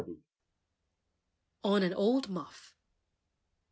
ON AN OLD MUFF.